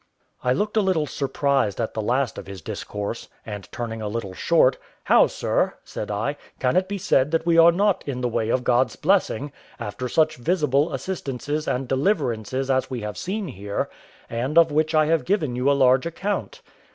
I looked a little surprised at the last of his discourse, and turning a little short, "How, sir," said I, "can it be said that we are not in the way of God's blessing, after such visible assistances and deliverances as we have seen here, and of which I have given you a large account?"